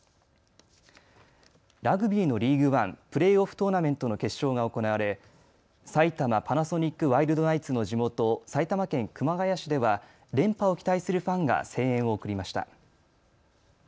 ラグビーのリーグワン、プレーオフトーナメントの決勝が行われ埼玉パナソニックワイルドナイツの地元、埼玉県熊谷市では連覇を期待するファンが声援を送りました。